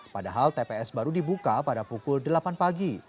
padahal tps baru dibuka pada pukul delapan pagi